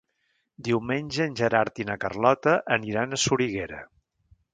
Diumenge en Gerard i na Carlota aniran a Soriguera.